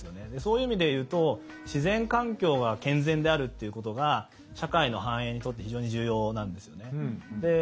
そういう意味で言うと自然環境が健全であるっていうことが社会の繁栄にとって非常に重要なんですよね。